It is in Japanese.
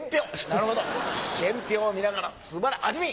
なるほど伝票を見ながら素晴ら味見！